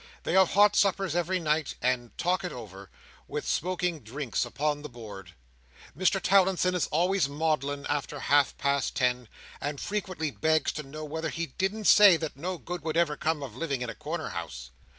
They have hot suppers every night, and "talk it over" with smoking drinks upon the board. Mr Towlinson is always maudlin after half past ten, and frequently begs to know whether he didn't say that no good would ever come of living in a corner house?